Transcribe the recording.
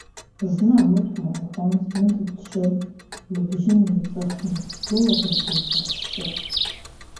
Зны амыткәма лҳәон, зны дыччон лыбжьы неиҵыхны, лылаӷырӡ лҿашы.